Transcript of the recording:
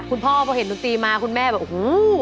คุณพ่อพอเห็นดนตรีมาคุณแม่แบบโอ้โห